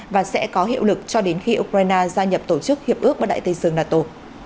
và sẽ có hiệu lực cho đến khi ukraine gia nhập tổ chức hiệp ước bắc đại tây dương nato